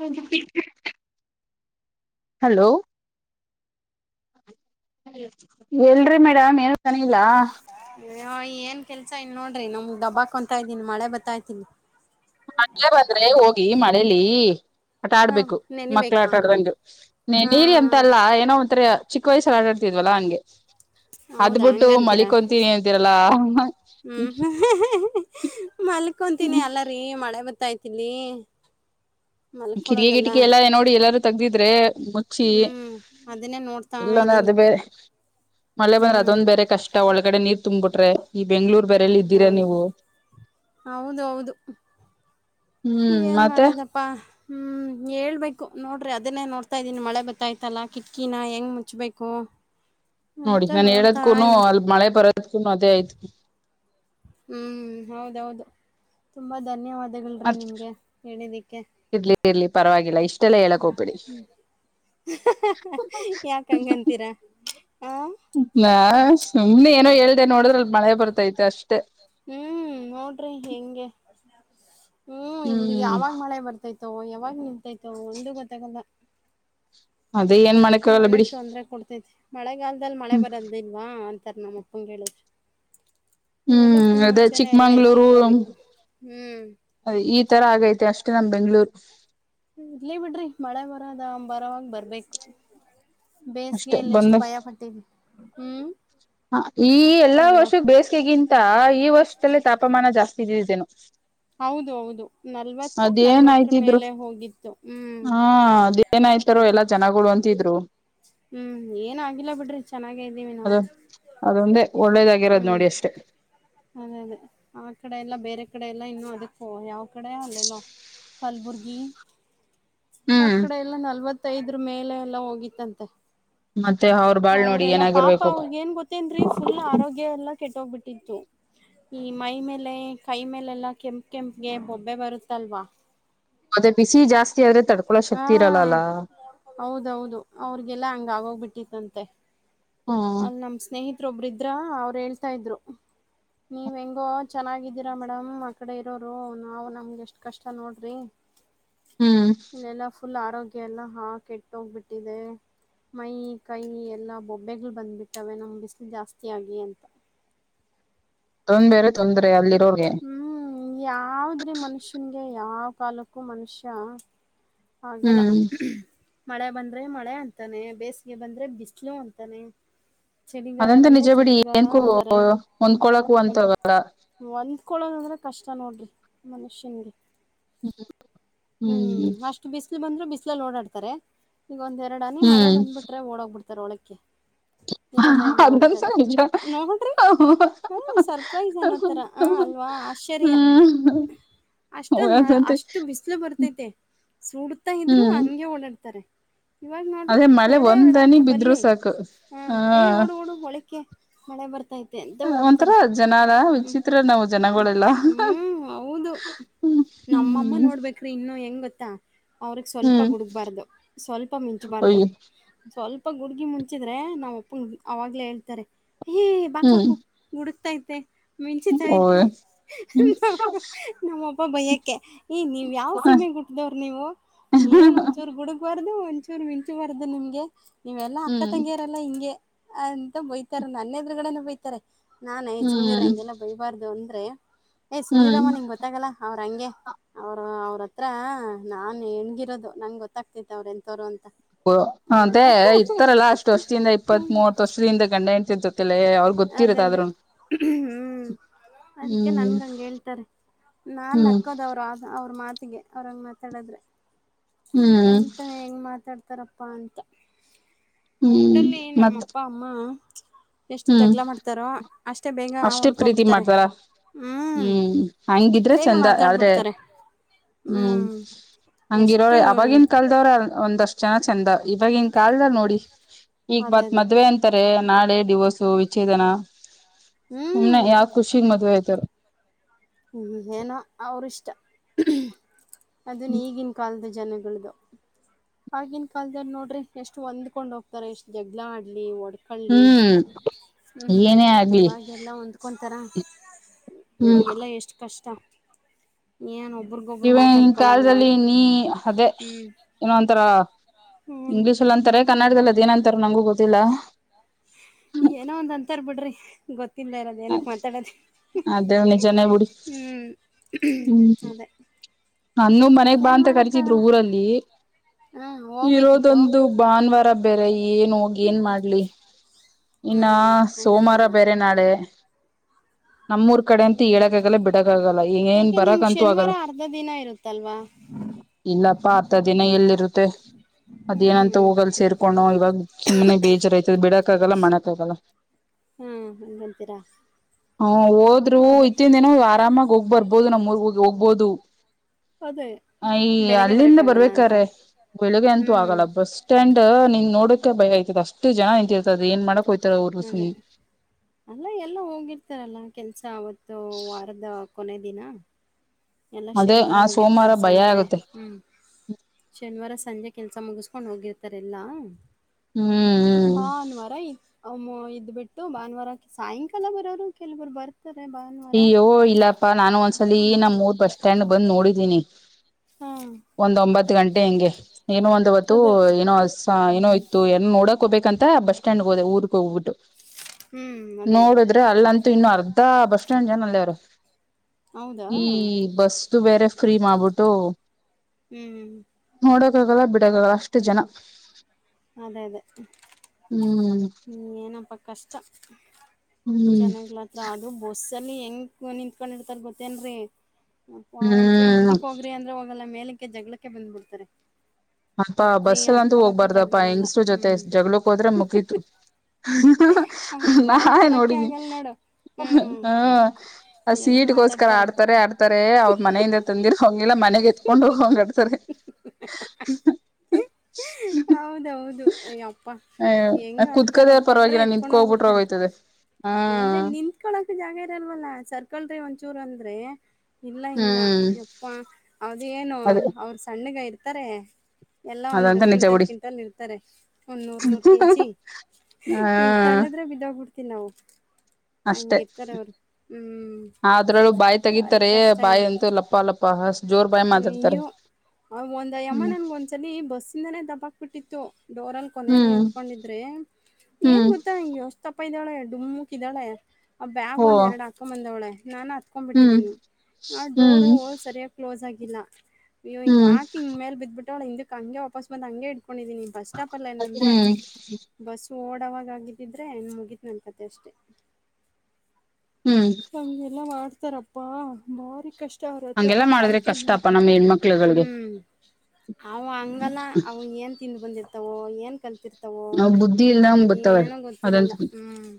ಹೋಗಿ ಮುಟ್ಟಿದ್ದೆ ಹಲೋ ಹೇಳ್ರಿ ಮೇಡಮ್ ಏನು ಹೇಳ್ತಾ ಇಲ್ಲಾ ಹ ಏನ್ ಕೆಲ್ಸ ಇನ್ ನೋಡ್ರಿ ನಮ್ಗ್ ಡಬಾಕೊಂತಾ ಇದ್ದೀನಿ ಮಳೆ ಬರ್ತಾಾಯತೀನಿ ಮೆ ಬಂದ್ರೆ ಹೋಗಿ ಮಳೇಲಿ ಆಟ ಹ ಆಡ್ಬೇಕು ಮಕ್ಳ ನೆನಿಬೇಕಾ ಆಟ ಆಡ್ದಂಗ ನೀ ಹಾ ನೀರಿ ಎಂತಲ್ಲ ಏನೋ ಒಂತ್ರ ಚಿಕ್ಕ ವಯಸ್ಸ ಹರಟಾಡ್ತಿದ್ವಲ್ಲಾ ಹಂಗೆ ಹೌದಾ ಅದ್ಬಿಟ್ಟು ಮಲಿಕ್ ಹೊಂತೀನಿ ತೀರಲ್ಲ ಹೂ ಮಲ್ಕೊಂತೀನಿ ಅಲ್ಲ ರೀ ಮಳೆ ಬತ್ತ ಗತಾಯತಿಲ್ಲಿ ಕಿಟಕಿ ಕಿಟಕಿ ಎಲ್ಲಾ ನೋಡಿ ಎಲ್ಲಾರೂ ತಗ್ದಿದ್ರೆ ಮುಚ್ಚಿ ಹ್ಮ್ ಅದನ್ನೇ ನೋಡ್ತಾ ಇಲ್ಲಾಂದ್ರೆ ಇದ್ದೀನಿ ಅದು ಬೇರೆ ಮಳೆ ಬಂದ್ರೆ ಹ್ಮ್ ಅದೊಂದ ಬೇರೆ ಕಷ್ಟ ಒಳಗ ಕಡೆ ನೀರ್ ತುಂಬ ಬಿಟ್ರೆ ಈ ಬೆಂಗಳೂರ್ ಬ ಹೂ ಹೌದು ಹೌದು ಏನ್ ಮಾಡದಪ್ಪ ಹ್ ಹೇಳ್ಬೇಕು ನೋಡ್ರಿ ಅದನ್ನೇ ನೋಡ್ತಾ ಇದ್ದೀನಿ ಮಳೆ ಬತ್ತಾಯ್ತಲ್ಲ ಕಿಟ್ಕಿನ ಹೆಂಗ್ ಮುಚ್ಚಬೇಕು ನೋಡಿ ನಾನನ್ ಹೇಳೋದ್ಕೂನು ಅಲ್ ಮಳೆ ಬರೋದ್ಕೂ ಅದೇ ಆಯ್ತ್ ಹೂ ಹೌದೌದು ತುಂಬಾ ಧನ್ಯವಾದ ಅದಗಳ ಮತ್ತ ರೀ ನಿಮ್ಗೆ ಹೇಳಿದ್ದಕ್ಕೆ ಇರ್ಲಿ ಇರ್ಲಿ ಪರವಾಗಿಲ್ಲ ಇಷ್ಟ ತಳೆಯಲಕೋಪ್ಪಿಡಿ ಯಾಕ ಹಂಗಂತೀರಾ ಹ ನಾ ಸುಮ್ಮನೆ ಏನೋ ಹೇಳ್ದ ನೋಡಿದ್ರ ಅಲ್ ಮಳೆ ಬರ್ತಾತಿ ಹೂ ನೋಡ್ರಿ ಹೆಂಗೆ ಹೂ ಇಲ್ಲಿ ಹ್ಮ್ ಯಾವಾಗ ಮಳೆ ಬರ್ತೈತಿ ಯಾವಾಗ ನಿಲ್ತಾ ಇತೋ ಒಂದ ಗೊತ್ತಾಗಲ್ಲ ಅದೇ ಏನ್ ಮಾಡಕ್ಕಾಗಲ್ಲ ಬಿಡಿ ನನಗ್ ತೊಂದ್ರೆ ಕೊಡ್ತೇತಿ ಮಳೆಗಾಲದಲ್ಲಿ ಮಳೆ ಹ್ಮ್ ಬರದಿಲ್ವಾ ನಮ್ಮ ಅಪ್ಪಂಗ ಹೇಳಿದ್ ನೀವೆಲ್ಲಾ ಹ್ಮ್ ಫುಲ್ ಮುಂಚೆನ ಎಲ್ಲಾ ಚಿಕ್ಕಮಂಗ್ಳೂರು ಎತ್ಿಕೋಬೇಕು ಅದೇ ಈ ತರ ಆಗೈತೆ ಅಷ್ಟೇ ನಮ್ ಬೆಂಗ್ಳೂರ್ ಇರ್ಲಿೇ ಬಿಡ್ರಿ ಮಳೆ ಬರದ ಬರವಾಗ ಬರ್ಬೇಕು ಅಷ್ಟೇ ಬೇಸ್ಗೆಯಲ್ಲಿ ಬಂದ ಎಷ್ಟು ಭಯ ಪಟ್ಟಿದಿ ಹ್ಮ್ ಹ ಈ ಎಲ್ಲಾ ಅಲ್ವಾ ವರ್ಷ ಬೇಸಿಗೆಗಿಂತ ಈ ವರ್ಷದಲ್ಲೇ ತಾಪಮಾನ ಜಾಸ್ತಿ ಇದಿದ್ದೇನು ಹೌದು ಹೌದು ನಲ್ವತ್ತ ನಲ್ವತ್ತರ ಅದೇನಾಯ್ತಿದ್ರು ಮೇಲೆ ಹೋಗಿತ್ತು ಹ್ಮ್ ನಾಯ್ತಾರೋ ಅದೇ ಎಲ್ಲಾ ಜನಗಳು ಅಂತಿದ್ರು ಹ್ಮ್ ಏನ ಆಗಿಲ್ಲ ಬಿಡ್ರಿ ಚೆನ್ನಾಗ ಇದ್ದೀವಿ ನಾವು ಅದು ಅದೊಂದೇ ಒಳ್ಳೇದಾಗಿರೋದ್ ಹ್ಮ್ ನೋಡಿ ಅಷ್ಟೇ ಅದೇ ಅದೇ ಆ ಕಡೆ ಎಲ್ಲ ಬೇರೆ ಕ ಈಡೆ ಎಲ್ಲ ಇನ್ನುೂ ಅದಕ್ಕ ಯಾವ ಕಡೆ ಅಲ್ಲಲ್ಲ ಕಲ್ಬುರ್ಗಿ ಆ ಹ್ಮ್ ಕಡೆ ಎಲ್ಲಾ ನಲ್ವತ್ತೈದ್ರ ಮೇಲೆ ಎಲ್ಲ ಹೋಗಿತ್ತಂತೆ ಮತ್ತೆ ಅವ್ರ ಬಾಳ್ ನೋಡಿ ಅವ್ರಲ್ಲಾ ಪಾಪ ಏನಾಗಿರ್ಬೇಕು ಅವ್ರಗ ಏನ್ ಗೊತ್ತೇನ್ರೀ ಫುಲ್ ಆರೋಗ್ಯ ಎಲ್ಲಾ ಕೆಟ್ಟೋಗ್ಬಿಟ್ಟಿತ್ತು ಈ ಮೈ ಮೇಲೆ ಕೈ ಮೇಲೆಲ್ಲಾ ಕೆಂಪ್ ಕೆಂಪ್ಗೆ ಬೊಬ್ಬೆ ಬರುತ್ತಲ್ವಾ ಮತ್ತೆ ಬಿಸಿ ಜಾಸ್ತಿ ಆದ್ರೆ ತಡ್ಕೊಳ ಹಾ ಶಕ್ತಿ ಇರಲ್ಲ ಅಲ್ಲ ಹೌದೌದು ಅವ್ರಗೆಲ್ಲಾ ಹಂಗ ಆಗೋಗ್ಬಿಟ್ಟಿತ್ತಂತೆ ಹಾ ಅಲ್ಲಿ ನಮ ಸ್ನೇಹಿಿತ ೊಬ್ಬ್ರ ಇದ್ರ ಅವರು ಹೇಳ್ತಾ ಇದ್ರು ನೀವ್ ಹೆಂಗೋ ಚೆನ್ನಾಗಿದ್ದೀರಾ ಮೇಡಮ್ ಆಕಡೆ ಇರೋರು ನಾವವು ನಮ್ಗೆ ಎಷ್ಟ್ ಕಷ್ಟ ನೋಡ್ರಿ ಹ್ಮ್ ಇಲ್ಲೆಲ್ಲ ಫುಲ್ ಆರೋಗ್ಯ ಎಲ್ಲ ಹಾ ಕೆಟ್ಟೋಗ್ಬಿಟ್ಟಿದೆ ಮೈ ಕೈ ಎಲ್ಲಾ ಬೊಬ್ಬೆಗಳು ಬಂದ್ಬಿಟ್ಟಾವ ನಮ್ ಬಿಸಿಲು ಜಾಸ್ತಿ ಆಗಿ ಅಂತ ಬೇರೆ ತೊಂದ್ರರೆ ಅಲ್ಲಿ ಹ್ಮ್ ಯಾವದ್ರೆ ಮನುಷ್ಯನ್ಗೆ ಯಾವ ಕಾಲಕ್ಕೂ ಮನುಷ್ಯ ಆಗಲ್ಲ ಹ್ಮ್ ಮಳೆ ಬಂದ್ರೆ ಮಳೆ ಅಂತಾನೆ ಬೇಸಿಗೆ ಬಂದ್ರೆ ಬಿಸಿಲು ಅಂತಾನೆ ಚಳಿಗಾಲ ಅದಂತ ಬಂದ್ರೆ ನಿಜ ಬಿಡಿ ಚಳಿಗಾಲ ಏನ್ಕೂ ಅಂತಾರೆ ಹೊಂದ್ಕೊಳಕು ಅಂತವಲ್ಲ ಕಕೊಳ್ಳೋದಂದ್ರೆ ಕಷ್ಟ ನೋಡಿ್ರರಿ ಮನುಷ್ಯನಿಗೆ ಹ್ಮ್್ಮ ಹ್ಮ್ ಅಷ್ಟು ಬಿಸಿಲು ಬಂದ್ರರು ಬಿಸಿ್ಲ ಓಡಾಡ್ತಾರೆ ಈಗ ಒಂದ ಎರ ಹನಿ ಮಳೆ ಬಂದ್ಬಿ್ರೆ ಓಡೋಗ್ಬಿಡ್ತಾರೆ ಒಳಕ್ಕೆ ಹ ಇರೋದ ಇಲ್ಲ ಹ ಅಂತ ಹೊರ್ಗಡೆ ಸಜ ನೋಡ್ರಿ ಹ್ಮ ಸರ್ಪ್ರೈಸ್ ಅನ್ನೋ ತರ ಹ ಅಲ್ವಾ ಆಶ್ಚರ್ಯ ಅಷ್ಟೊಂದು ಅದಂತೆ ಅಷ್ಟು ಬ್ ಲ ಬರ್ತೈತೆ ಸುಡ್ತಾ ಇದ್ರು ಹ್ಮ್ ಹಂಗೆ ಓಡಾಡ್ತಾರೆ ಇವಾಗ ನೋಡ್ರಿ ಅದೇ ಮಳೆ ಎರಡ ಎರಡ ಒಂದನಿ ನೀ ಬಿದ್ರು ಬರ್ಲಿ ಸಾಕು ಹ ಹಾ ಏಯ್ ಹಡು ಡು ಹೊೋಳಿಕ ಮಳೆ ಬರ್ತೈತಿ ಎಂತ ಒಂಥರ ಓಡ್ತಾರೆ ಜನಾಲ ಹ್ಮ ವಿಚಿತ್ರ ನಾವು ಜನಗಳೆಲ್ಲ ಹ್ಮ್ ಹೌದು ಹ್ಮ್ ನಮ್ಮಮ್ಮ ಹ್ಮ್ ನೋಡ್ಬೇಕ್ರಿ ಇನ್ನು ಹೆಂಗ ಗೊತ್ತಾ ಅವ್ರಗ್ ಸ್ವಲ್ಪ ಹ್ಮ್ ಗುಡುಕ್ಬಾರ್ದ ಸ್ವಲ್ಪ ಮಿಂಚಬಾರ್ದು ಅಯ್ಯೋ ಸ್ವಲ್ಪ ಅಪ್ಪ ಗುಡುಗಿ ಮುಂಚಿದ್ರೆ ನಾವ ಅಪ್ಪ ಅವವಾಗ್ಲೇ ಹೇಳ್ತಾರೆ ಏ ಹ್ಮ್ ಬಾಕ್ಲಕ್ಕ ಗುಡುಕ್ತಾ ಮಿಂಚಿತಾಯತೆ ಓ ನಮ್ಮಬ್ಬ ಭಯಕ್ಕೆ ಈ ನೀ ಯಾವ ಸೀಮೆ ಗ್ರೂಪೋದವರು ನೀವು ಏನ್ ಹ್ಮ್ ಒಂದಚೂರು ಗುಡುಗ್ಬಾರ್ದ ಒಂದಚೂರು ಮಿಂಚುಬಾರ್ಡು ನಿಮ್ಗೆ ನೀವೆಲ್ಲಾ ಅಕ್ಕ ತಂಗಿಯರೆಲ್ಲಾ ಹಿಂಗೆ ಅಂತ ಬಯತಾರ ನನ್ನ ಎದರುಗಡೆನ ಬೈತಾರೆ ನಾನ್ ಯ್ ಸುಮ್ನಿರು ಹ್ಮ್ ಹಂಗೆಲ್ಲಾ ಬೈಬಾರ್ದು ಅಂದ್ರೆ ಯ್ ಸುಮ್ನೀರಮ್ಮ ಹ್ಮ್ ನಿಂಗೆ ಗೊತ್ತಾಗಲ್ಲ ಅವ ಹಂಗೆ ಅವರು ಅವ್ರತ್ರ ನಾನನ ಹೆಂಗಿರೋದು ನಂಗೆ ಗೊತ್ತಾಗ್ತಿತ್ತು ಅವ್ರ ಎಂತವರು ಅಂತ ಹ ಅದೇ ಅಂತ ಇರ್ತಾರಲ್ಲಾ ಅಷ್ಟ್ ವರ್ಷದಿಂದ ಇಪ್ಪತ್ ಮೂವತ್ ವರ್ಷದಿಂದ ಗಂಡ ಎಟತತ್ತಲ್ಲ ಅವ್ರರು ಅದೇ ಗೊತ್ತಿರತ್ತ ಅದೇ ಆದ್ರರು ಹ್ಮ್ ಅದಕ್ಕೆ ನನ್ಗ ಹಂಗೆ ಹೇಳ್ತಾರೆ ನಾನ್ ಹ್ಮ್ ಅಕ್ಕದವರು ಆದ ಅವ್ರ ಮಾತಿಗೆ ಅವ್ರ ಹಂಗ ಮಾತಾಡದ್ರೆ ಹ್ಮ್ ಎಂತ ಹೆಂಗ್ ಮಾತಾಡ್ತ ತಾರಪ್ಪ ಅಂತ ಹ್ಮ್ ಮೊಟ್ಟಲ್ಲಿ ಮತ್ ನಮ್ಮಪ್ಪ ಅಮ್ಮ ಎಷ್ಟು ಹ್ಮ್ ಜಗಳ ಮಾಡ್ತಾರೋ ಅಷ್ಟೇ ಬೇಗ ಅಷ್ಟೇ ಪ್ರೀತಿ ಹೊಂದ್ಕೋಬಿಡ್ತಾರೆ ಮಾಡ್ತಾರ ಹ್ಮ್ ಹಂಗಿದ್ರೆ ಚಂದ ಆದ್ರೆ ಮಾತಾಡ್ಬಿಡ್ತಾರೆ ಹ್ಮ್ ಹಂಗಿರೋ್ರ ಎಷ್ಟು ಅವಾಗಿನ್ ಕಲ್ದವ್ರ ಒಂದಷ್ಟು ಜನ ಚೆಂದ ಇವಾಗನ್ ಕಾಲದಲ್ಲಿ ನೋಡಿ ಈಗ ಅದೇ ಮತ್ತ್ ಅದೇ ಮದ್ವೆ ಅಂತಾರೆ ನಾಳೆ ಡಿವೋರ್ಸ್ ಸೊ ವಿಚ್ಛೇದನ ಸುಮ್ನೆ ಹ್ಮ್ ಯಾವ್ ಖುಷಿಗ್ ಮದ್ವೆ ಆಯ್ತಾರ ಹ್ಮ್ ಏನೋ ಅವರು ಇಷ್ಟ ಅದನ್ ಈಗನ್ ಕಾಲದ ಜನಕ್ಕೆ ಆಗಿನ ಕಾಲದಲ್ಲಿ ನೋಡ್ರಿ ಎಷ್ಟು ಹೊಂದ್ಕೊಂಡ್ ಹೋಗ್ತಾರೆ ಎಷ್ಟು ಜಗ್ಗಳ ಆಡ್ಲಿ ಹೊಂಡಕೊಳ್ಳಿ ಹ್ಮ್ ಹ್ಮ್ ಏನೇ ಆಗ್ಲಿ ಇವಾಗೆಲ್ಲ ಹೊಂದ್ಕೊಂತಾರ ಹ್ಮ್ ಇವಾಗೆಲ್ಲ ಎಷ್ಟು ಕಷ್ಟ ಏನೊ ಇವನ್ ಕಾಲದಲ್ಲಿ ನೀ ಅದೇ ಹ್ಮ್ ಏನೋ ಅಂತಾರಲ್ಲ ಹ್ಮ್ ಇಂಗ್ಲೀಷ್ಲ್ಲ ಅಂತಾರೆ ಮುಖ ಮುಖ ಕನ್ನಡದಲ್ಲ ಅದ್ ಏನಂತಾರ ನಂಗೂ ಗೊತ್ತಿಲ್ಲಾ ಏನೋ ಒಂದ್ ಅಂತರ್ ಬಿಡ್ರಿ ಗೊತ್ತಿಲ್ಲ ಇರೋದ ಏನಕ್ ಮಾತಾಡೋದು ಅದೇ ನಿಜಾನೇ ಬಿಡಿ ಹ್ಮ್ ಹ್ಮ್ ಅದೇ ನನ್ನು ಮನೆಗ್ ಬಾ ಏನ್ ಅಂತ ಕರಿಸಿದ್ರು ಮಾಡಕ್ಕಾಗಲ್ಲ ಊರಲ್ಲಿ ಹಾ ಹೋಗ್ಬೇಕಿತ್ತು ಇರೋದೊಂದು ಭಾನುವಾರ ಬೆರೆ ಏನ ಹೋಗಿ ಏನ್ ಮಾಡ್ಲಿ ಇನ್ನ ಹ್ಮ್ ಸೋಮವಾರ ಹಂಗಂತೀರಾ ಬೇರೆ ನಾಳೆ ನಮ್ಮೂರ್ ಕಡೆ ಅಂತ ಹ್ಮ್ ಹೇಳಕ್ ಆಗಲ್ಲ ಬಿಡಕ್ಕ ಆಗಲ್ಲ ಏನ್ ಏಕೆ ನಿಮ್ಗೆ ಬರಕ್ಂತೂ ಶನಿವಾರ ಆಗಲ್ಲ ಅರ್ಧ ದಿನ ಇರುತ್ತಲ್ವಾ ಇಲ್ಲಪ್ಪಾ ಆತ ದಿನ ಎಲ್ಲಿರುತ್ತೆ ಅದೇನಂತ ಹ್ಮ್ ಊರಲ್ಲಿ ಸೇರಿಕೊಂಡು ಇವಾಗ ಸುಮ್ಮನೆ ಬೇಜಾರುಾಯ್ತ ಬಿಡಕ್ಕ ಆಗಲ್ಲ ಮಾಡೋಕ್ಕ ಆಗಲ್ಲ ಹ್ಮ್ ಹಂಗಂತೀರ ಹ ಹೋದ್ರು ಇತ್ತಿಂದ ಏನೋ ಆರಾಮಾಗಿ ಹೋಗ್ಬರ್ಬೋದು ನಮ್ಮೂರು ಹೋಗ್ಬೋದು ಅದೇ ಅಯ ಬೆಳಿಗ್ಗೆ ಅಲ್ಲಿಂದ ಬರಕ್ಕಾಗಲ್ಲ ಅಂತ ಬರ್ಬೇಕಾರೆ ಬೆಳಿಗ್ಗೆ ಅಂತೂ ಹ್ಮ್ ಆಗಲ್ಲ ಬಸ್ ಸ್ಟ್ಯಾಂಡ್ ನಿನ್ ನೋಡಕೆ ಭಯ ಆಯ್ತದೆ ಅಷ್ಟ ಜನ ನಿಂತಿರ್ತದ ಏನ್ ಮಾಡಕ ಹೊಯ್ ಅದೇ ಅಲ್ಲೇ ಎಲ್ಲೋ ಹೋಗಿರ್ತಾರಲ್ಲ ಕೆಲ್ಸ ಅವತ್ತು ವಾರದ ಕೊನೇ ದಿನ ಎಲ್ಲ ಅದೇ ಶನಿವಾರ ಆ ಸೋಮವಾರ ಹೋಗಿರ್ತಾರೆ ಭಯ ಸಂಜೆ ಆಗುತ್ತೆ ಹ್ಮ್ ಶನಿವಾರ ಸಂಜೆ ಕೆಲ್ಸ ಮುಗಿಸ್ಕೊಂಡ್ ಹೋಗಿರ್ತಾರೆ ಎಲ್ಲಾ ಹ್ಮ್ ಹ್ಮ್ ಬಾನ್ವಾರ ಅಮ್ಮ ಇದ್ ಬಿಟ್ಟು ಭಾನುವಾರ ಸಾಯಂಕಾಲ ಬರೋರು ಕೆಲವರು ಬರ್ ಅಯ್ಯೋ ಇಲ್ಲಪ್ಪಾ ನಾನು ಒಂದಸಲಿ ಈ ನಮ್ಮ್ ರ್ ಬಸ್ ಸ್ಟ್ಯಾಂಡ್ ಬಂದ್ ನೋಡಿದೀನಿ ಹಾ ಒಂದ ಒಂಬತ್ತು ಗಂಟೆ ಹೆಂಗೆ ಏನೋ ಒಂದ ಅವತ್ತು ಅದೇ ಏನೋ ಹ ಏನೋ ಇತ್ತು ಏನೋ ನೋಡಕ್ ಹೋಗಬೇಕಂತ ಬಸ್ ಸ್ಟ್ಯಾಂಡ್ ಹೋದೆ ಊರ್ಕ ಹೋಗ್ಬಟ್ಟು ಹ್ಮ್ ಅದೇ ಅದೇ ನೋಡುದ್ರೆ ಅಲ್ಲಂತೂ ಇನ್ನು ಅರ್ಧ ಬಸ್ಟ್ಯಾಂಡ್ ಜನ ಅಲ್ಲೇ ಅವರೇ ಹೌದಾ ಈ ಬಸ್ ಬೇರೆ ಫ್ರೀ ಮಾಡಬಿಟ್ಟು ಹ್ಮ್ ನೋಡಕ್ಕಾಗಲ್ಲ ಬಿಡಕ್ಕಲ್ಲ ಅಷ್ಟು ಜನ ಅದೇ ಅದೇ ಹ್ಮ್ ಹ್ಮ ಏನಪ್ಪ ಕಷ್ಟ ಹ್ಮ್ ಜನ್ನಾಗ್ಲತ್ರ ಅದು ಬಸ್ಸಲ್ಲಿ ಹೆಂಗ ನಿಂತ್ಕೊಂಡಿರ್ತಾರ ಗೊತ್ತೇನ್ರೀ ಹಾ ಒಂಚೂರು ಹ್ಮ್ ಮುಂದಕ್ ಹೋಗ್ರಿ ಅಂದ್ರೆ ಹೋಗಲ್ಲಾ ಮೇಲಕ್ಕೆ ಜಗಳಕ್ಕೆ ಬಂದ್ಬ ಬಿಡ್ತಾರೆ ಅಪ್ಪಾ ಬಸ್ಸಗ ಅಂತೂ ಜಾಗ ಹೋಗ್ಬಾರ್ದಪ್ಪಾ ಇರಲ್ಲ ಹೆಂಗಸರು ಜೊತೆ ಹ್ಮ್ ಜಗ್ಗಳಕ್ ಹೋದ್ರೆ ಮುಗೀತು ಅವ್ರಗ್ ನಾ ಬಾಯಿ ಕೊಡಕ್ಕೆ ನೋಡಿದಿನಿ ಆಗಲ್ ನೋಡು ಹ್ಮ ಹ್ಮ್ ಆ ಹೆಂಗ್ ಸೀಟ್ಗೋಸ್ಕರ ಮಾತಾಡ್ತಾರೆ ಆಡ್ತಾರೆ ಆಡ್ತಾರೆ ಅವ್ರ ಮನೆಯಿಂದ ತಂದಿರ ಹಂಗಿಲ್ಲ ಮನೆಗೆ ಎತ್ಕೊಂಡ್ ಹೋಗಂಗಾಡ್ತರೆ ಹಾ ಹ ಹೌದೌದು ಅಯ್ಯಪ್ಪ ಹೆಂಗ ಆಡ್ತಾರ ಕುೂತ್ಕದೇ ಅವರ ಕೊಟ್ರೆ ಪರವಾಗಿಲ್ಲ ನಿಂತ್ಕ ಎತ್ಕೊಂಡೋಗ್ಬ ಹೋಗ್ಬಿಟ್ರ ಬಿಡ್ತಾರೆ ಹೋಗೋಯ್ತದೆ ಹಾ ಅದೇ ನಿನ್ತ್ಕಳಕ ಜಾಗ ಇರಲ್ವಲ್ಲ ಸರ್ಕ ಒಂದೇ ಒಂಚೂರು ಅಂದ್ರೆ ಇಲ್ಲ ಇಲ್ಲ ಹ್ಮ್ ಯಪ್ಪ ಅದು ಏನು ಅದೇ ಅವರು ಸಣ್ಣಗ ಇರ್ತಾರೆ ಎಲ್ಲಾ ಒಂದು ಅದಂತ ನಿಜ ಕ್ವಿಂಟಲ್ ಕ್ವಿಂಟಲ್ ಇರ್ತಾರೆ ಒಂದ್ ನೂರ್ ನೂರ್ ಬಿಡಿ ಕೆಜಿ ಹಂಗ ತಳ್ಳದ್ರ ಬಿದ್ದೋಗ್ಬಿಡ್ತೀವಿ ನಾವು [inaudible] ಅಷ್ಟೇ ಹಂಗಿರ್ತಾರೆ ಅವರು ಹ್ಮ್ ಅದ್ರಲ್ಲು ಬಾಯಿ ಬಾರಿ ತಗತಾರೇ ಕಷ್ಟ ಬಾಯಿ ಇದು ಅಂತೂ ಲಪ್ಪ ಲಪ್ಪ ಅಷ್ಟ್ಜೋರ್ ಪಾಯಿ ಮಾತಾಡ್ತಾರೆ ಒಂದ್ ಯಮ್ಮ ಹ್ಮ್ ನನ್ ಒಂದ್ಸಲ ಬಸ್ಸಿಂದನೇ ದಬ್ಬಾಕ್ ಬಿಟ್ಟಿತ್ತು ಡೋರ್ ಅಲ್ ಕೊನೆಯಲ್ಲಿ ಹ್ಮ್ ನಿಂತ್ಕೊಂಡಿದ್ರೆ [inaudible] ಏನ್ ಗೊತ್ತಾ ಎಷ್ಟ ದಪ್ಪ ಇದ್ದಾಳೆ ಡುಮ್ಮುಕ್ ಇದ್ದಾಳೆ ಆ ಬ್ಯಾಗ್ ಓ ಒಂದ್ ಎರಡು ಆಕಂಡ್ ಬಂದವ್ಲೆ ನಾನು ಹ್ಮ್ ಹತ್ಕೊಂಡ್ಬಿಟ್ಟಿದ್ದೀನಿ ಆ ಹ್ಮ್ ಡೋರು ಸರಿಯಾಗಿ ಕ್ಲೋಸ್ ಆಗಿಲ್ಲ ಅ್ಯ ಹಂಗ ಹ್ಮ್ ಆಕಿ ಮೇಲೆ ಬಿದಬಿಟ್ಟೆ ಅವಳ ಹಂಗೆ ಹಿಂದಕ್ ವಪಸ್ ಬಂದ ಹಂಗೆ ಇಡ್ಕು ಬಸ್ ಸ್ಟಾಪ್ ಅಲ್ಲ ಏನಂದ್ರೆ ಹ್ಮ್ ಬಸ್ ಓಡವಾಗ ಆಗಿದ್ದಿದ್ರೆ ಇನ್ ಮುಗಿತ್ ನಂಕಥೆ ಅಷ್ಟೆ ಹ್ಮ್ ನಮ್ಗೆಲ್ಲಾ ಮಾಡ್ತಾರಪ್ಪಾ ಭಾರಿ ಕಷ್ ಸ್ಟ ಅವ್ರ ಹತ್ರ ಹಂಗೆಲ್ಲಾ ಮಾಡಿದ್ರೆ ಆಯ್ಕೆನೆ ಕಷ್ಟಪ ನಮ್ಮ ಹೆಣ್ಮಕ್ಳುಗಳಿಗೆ ಹ್ಮ್ ಅವ ಹಂಗಲ್ಲ ಅವ ಏನ್ ತಿಿಂದ ಬಂದಿರ್ತವೋ ಏನ್ ಕಲ್ತಿರ್ತ ಆ ಬುದ್ಧಿ ಇಲ್ದ ಬತ್ತವ ಅದಂತ ಗೊತ್ತಿರಲ್ಲ ಹ್ಮ್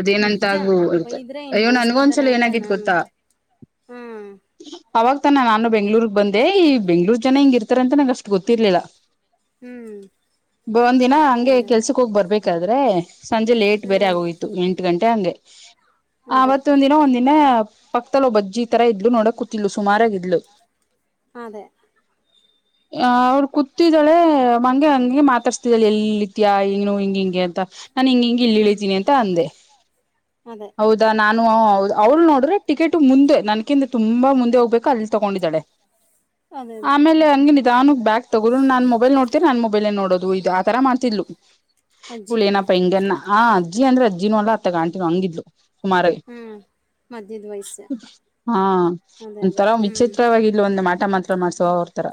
ಅದೇನಂತ ನಿಜ ಅದು ಬೈದ್ರೆ ಇನ್ ಅಯ್ಯೋ ನನಗೊಂದು ಬೈಸ್ಕೋತಾರೆ ಅಕ್ಯುಲೀ ಏನ ಅಂತ ಆಗಿತ್ತು ನಾನು ಗೊತ್ತಾ ಹಾ ಅವಾಗತಾನ ನಾನು ಬೆಂಗ್ಳೂರ್ಗ್ ಬಂದೆ ಈ ಬೆಂಗ್ಳೂರ್ ಜನ ಹೆಿಂಗ್ ಇರ್ತಾರ ಅಂತ ನಂಗೆ ಅಷ್ಟು ಗೊತ್ತಿರ್ಲಿಲ್ಲ ಒಂದ್ ದಿನ ಹ್ಮ್ ಹಂಗೆ ಅದೇ ಕೆಲ್ಸಕ್ ಅದೇ ಹೋಗ್ ಬರ್ಬೇಕಾದ್ರೆ ಸಂಜೆ ಲೇಟ್ ಬೇರೆ ಹ್ಮ್ ಆಗೋಯ್ತು ಎಂಟು ಗಂಟೆ ಹಂಗೆ ಅದೇ ಆವತ್ತ ಒಂದ ದಿನ ಒಂದಿನ ಪಕ್ಕದಲೊಬ್ಬಾ ಅಜ್ಜಿ ತರ ಇದ್ಲು ನೋಡಕತಿಡ್ಲು ಸುಮಾರಾಗಿದ್ಲು ಅದೇ ಆ ಅವ್ರು ಕೂತಿದ್ದಾಳೆ ಮಂಗೆ ಹಂಗೆ ಮಾತಾಡ್ಸ್ತಿದಳ ಎಲ್ಲಿ ತ್ಯಾ ಏನು ಹಿಂಗ ಹಿಂಗೆ ಅಂತ ನಾನ್ ಹಿಂಗ ಹಿಂಗೆ ಇಲ್ಲಿ ಹ್ಮ್ ಇಳಿತೀನಿ ಅಂತ ಅಂದೆ ಅದೇ ಹೌದಾ ನಾನು ಹೌದು ಅವ್ರು ನೋಡ್ರೆ ಟಿಕೆಟ್ ಮುಂದೆ ನನ್ಕಿಂದ ತುಂಬಾ ಮುಂದೆ ಹೋಗ್ಬೇಕು ಅಲ್ಲಿ ತಗೊಂಡಿದ್ದಾಳೆ ಅದೇ ಅದೇ ಆಮೇಲೆ ಹಂಗಗೆ ನಿಧಾನಕ್ಕೆ ಬ್ಯಾಗ್ ತಗೋ್ರು ನಾನ್ ಮೊಬೈಲ್ ನೋಡ್ತೀರ ನಾನ್ ಮೊಬೈಲ್ ನೋಡೋದು ಆತರ ಮಾಡತಿದ್ಲು ಅಜ್ಜಿ ಇವಳೇನಪ್ಪ ಹಿಂಗ ಆ ಅಜ್ಜಿ ಅಂದ್ರೆ ಅಜ್ಜಿಿನ ಅಲ್ಲ ಹಂಗಿದ್ಲು ಸುಮಾರಗೆ ಹ್ಮ್ ಮಧ್ಯದ ವಯಸ್ಸು ಹಾ ಅದೇ ಅದೇ ಒಂಥರಾ ಹ್ಮ್ ವಿಚಿತ್ರವಾಗಿಲ್ಲ ಒಂದು ಮಾಟ ಮಾತ ಮಾಡ್ಸೋ ಅವರ್ತರ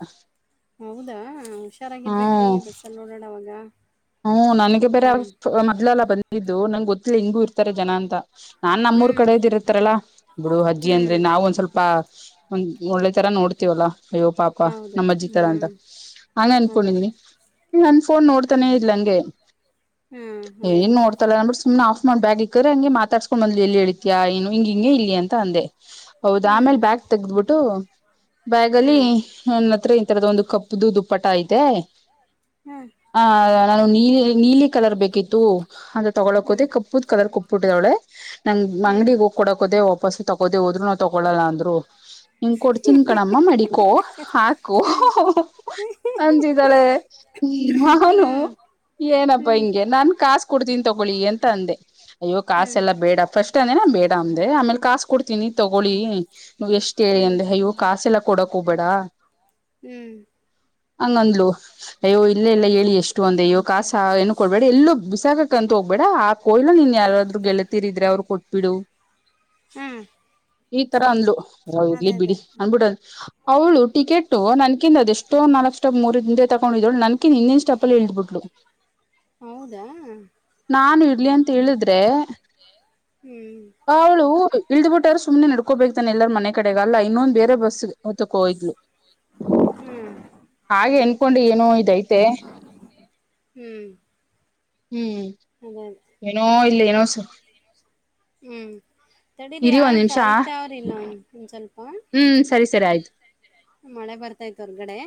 ಹೌದಾ ಹುಷಾರಾಗಿರ್ಬೇಕ್ರಿ ಬಸ್ಸಲ್ಲಿ ಓಡಾಡವಾಗ ಹ್ಮ್ ನನಗೆ ಬರರೆ ಹ್ಮ್ ಮೊದ್ಲೆಲ್ಲ ಬಂದಿದ್ದು ನಂಗೆ ಗೊತ್ತಿಲ್ಲ ಹೆಿಂಗೂ ಇರ್ತಾರೆ ಜನ ಅಂತ ನಾನ್ ನಮ್ಮೂರ್ ಹ್ಮ್ ಕಡೆ್ದಿ ಇರ್ತಾರಲ್ಲಾ ಬಿಡು ಅಜ್ಜಿ ಅಂದ್ರೆ ಹ್ಮ್ ನಾವವು ಒಂದ್ ಸ್ವಲ್ಪ ಒಂದ್ ಒಳ್ಳೆ ತರ ನೋಡ್ತೀವಲ್ಲಾ ಅಯ್ಯೋ ಪಾಪ ಹೌದು ನಮ್ಮಜ್ಜಿಿತರ ಅಂತ ಹ್ಮ್. ಹಂಗ ಅದೇ ಅನ್ಕೊಂಡಿದನಿ ನನ್ ಫೋನ್ ನೋಡ್ ತಾನೇ ಇದ್ಹಳಂಗೆ ಹ್ಮ್ ಅದೇ ಏನ್ ಅದೇ ನೋಡ್ತಲ್ಲಾ ಅಂದಬಿಟ್ಟು ಸುಮನೆ ಆಫ್ ಮಾಡ್ ಬ್ಯಾಗ್ ಇಕ್ಕರೆ ಹಂಗೆ ಮಾತಾಡ್ಸ್ಕೊಂಡ್ ಬಂದ್ಲು ಎಲ್ಲಿ ಇಳಿ ತ್ಯಾ ಏನು ಹಿಂಗ ಹಿಂಗೆ ಇಲ್ಲಿಲಿ ಅಂತ ಅಂದೆ ಹೌದ ಆಮೇಲೆ ಹ್ಮ್ ಬ್ಯಾಗ್ ತೆಗದ್ಬಿಟ್ಟು ಬ್ಯಾಗ್ ಅಲ್ಲಿ ಹ್ಮ್ ಒಂದ ಹತ್ರ ತರದ ಒಂದು ಕಪ್ಪುದು ದುಪ್ಪಟ ಐತೇ ಹ್ಮ್ ಆ ನಾನು ನೀಲಿ ನೀಲಿ ಕಲರ್ ಬೇಕಿತ್ತು ಅಂತ ತಗೊಳ್ಳಕೋುದ ಹ್ಮ್. ಕಪ್ಪದು ಕಲರ್ ಕೊಟ್ ಬಿಟ್ಟಿದಳೆ ನಂಗ್ ಹ್ಮ್ ಅಂಗಡಿಗೆ ಹೋಗಿ ಕೊಡಕೋದೆೇ ವಾಪಸ್ ತಗೋದೆ ಹದರು ನವು ತೊಗೊಳ್ಳೋಲ್ಲ ಅಂದ್ರು ಹಂಗ ಕೊಡ್ತೀನ್ ಕಣಮ್ಮ ಮಡಿಕೋ ಹಾಕು ಅಂತಿದಳೆ ಹ್ಮ್ ನಾನು ಏನಪ್ಪಾ ಹ್ಮ್ ಹಿಂಗೆ ನಾನ್ ಕಾಸ್ ಕೊಡ್ತೀನಿ ತಗೋಳಿ ಅಂತ ಅಂದೆ ಅಯ್ಯೋ ಕಾಸ ಎಲ್ಲಾ ಬೇಡ ಫಸ್ಟ್ ಬೇಡ ಅಂದೆ ಆಮೇಲೆ ಕಾಸ ಕೊಡ್ತೀನಿ ತಗೊಳ್ಳಿ ನೀ್ ಎಷ್ಟು ಹೇಳಿ ಹ್ಮ್ ಹ್ಮ್ ಅಂದ್ರೆ ಅಯ್ಯೋ ಕಾಸೆಲ್ಲ ಕೊಡಕ್ ಹೋಗ್ಬೇಡ ಹ್ಮ್ ಹಂಗಂದ್ಲು ಅಯ್ಯೋ ಇಲ್ಲೇ ಅದೇ ಎಲ್ಲ ಅದೇ ಹೇಳಿ ಎಷ್ಟು ಒಂದ ಅಯ್ಯೋ ಕಾಸಾ ಏನು ಕೊಡ್ ಬೇಡ ಎಲ್ಲೂ ಬಿಸಾಕಾಕೇ ಅಂತು ಹೋಗ್ಬೇಡ ಹಾಕೋ ನೀನ್ ಯಾರಾದ್ರು ಗೆಲತೀರಿದ್ರೆ ಅವ್ರು ಕೊಟ್ಬಿಡು ಹ್ಮ್ [inaudible] ಈ ತರ ಅಂದ್ಲು ಇರ್ಲಿ ಅದೇ ಅದೇ ಬಿಡಿ ಅಂದಬಿಡದು ಅವ್ಳು ಟಿಕೆಟ್ ನನ್ಕಿಂದು ಅದೆಷ್ಟೋ ನಾಲ್ಕು ಮೂರಂದಿಂದ ತಗೊಂಡಿದ್ಳ ನನಕಿ ಇಲ್ಲಿದು ಬುಟ್ಲು ಹೌದಾ. ನಾನು ಇರ್ಲಿ ಅಂತ ಹೇಳಿದ್ರೆ ಹ್ಮ್ ಅವಳು ಇಳ್ದ್ ಬಿಿಟ್ಟಾರ ಸುಮ್ಮ್ನೆ ನಡ್ಕೋಬೇಕತಾನೆ ಎಲ್ಲಾರ ಮನೆ ಕಡೆಗಲ್ಲ ಇನ್ನೊಂದ್ ಬೇರೆ ಬಸ್ ತ್ತಕ್ಕೋೋಗ್ಲು ಹ್ಮ್ ಹಾಗೆ ಎನ್ಕೊಂಡು ಏನು ಇದೈತೆ ಹ್ಮ್ ಹ್ಮ್ ಅದೇ ಅದೇ ಏನೋ ಇಲ್ಲ ಏನೋ ಸರ್ ಹ್ಮ್ ತಡೀಿದ ಇರಿ ಒಂದ್ ಯಾರಕ್ಕ ನಿಮಿಷ ಅರಿತ ಅವ್ರಲ್ಲ ಒಂದ್ ಸ್ವಲ್ಪ ಹ್ಮ್ ಸರಿ ಸರಿ ಆಯ್ತು ಮಳೆ ಬರ್ತಾ ಇತ್ತು ಹೊರ್ಗಡೆ